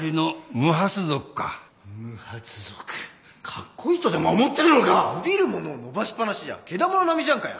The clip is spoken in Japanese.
無髪族かっこいいとでも思ってるのか⁉伸びるものを伸ばしっぱなしじゃケダモノ並みじゃんかよ。